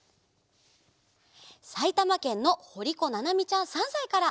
さいたまけんのほりこななみちゃん３さいから。